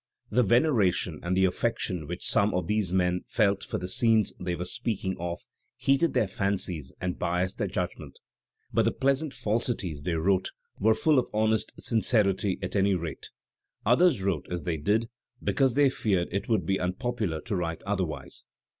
The veneration and the afiFection which some of these men felt for the scenes they were speaking of heated their fancies and biased their judgment; but the pleasant falsities they wrote were full of honest sincerity at any rate. Others wrote as they did, because they feared it would be unpopular to write otherwise.